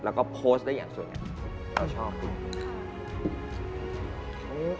แล้วก็โพสต์ได้อย่างส่วนใหญ่